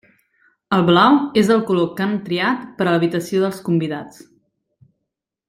El blau és el color que han triat per a l'habitació dels convidats.